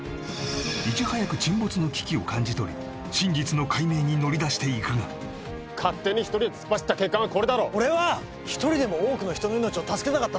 いち早く沈没の危機を感じ取り真実の解明に乗り出していくが勝手に一人で突っ走った結果がこれだろ俺は一人でも多くの人の命を助けたかった